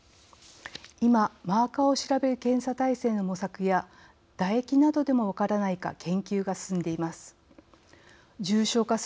今、マーカーを調べる検査体制の模索や唾液などでも分からないか研究が進んでいます。